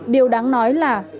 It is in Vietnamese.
điều đáng nói là